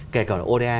kể cả là oda